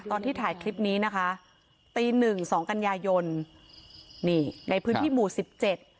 ตอนที่ถ่ายคลิปนี้นะคะตีหนึ่งสองกันยายนนี่ในพื้นที่หมู่สิบเจ็ด